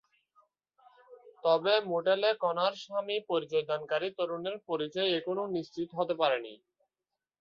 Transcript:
তবে মোটেলে কণার স্বামী পরিচয়দানকারী তরুণের পরিচয় এখনো নিশ্চিত হতে পারেনি পুলিশ।